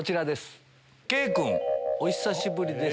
あお久しぶりです。